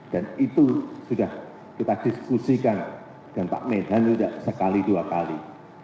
dan itu sudah kita diskusikan dengan pak minhan sudah sekali dua kali